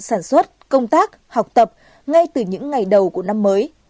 sản xuất công tác học tập ngay từ những ngày đầu của năm mới